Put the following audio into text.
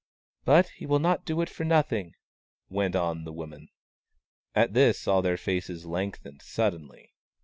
" But he will not do it for nothing," went on the woman. At this all their faces lengthened suddenly.